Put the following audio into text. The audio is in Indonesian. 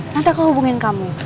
nanti aku hubungin kamu